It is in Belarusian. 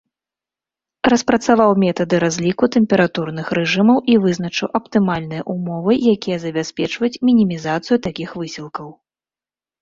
Распрацаваў метады разліку тэмпературных рэжымаў і вызначыў аптымальныя ўмовы, якія забяспечваюць мінімізацыю такіх высілкаў.